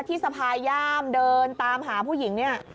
สะพายย่ามเดินตามหาผู้หญิงเนี่ย